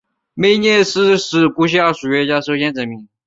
梅涅劳斯定理是由古希腊数学家首先证明的。